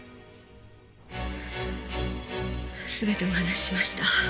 全てお話ししました。